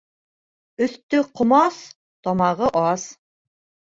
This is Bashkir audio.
Өҫтө ҡомас, тамағы ас.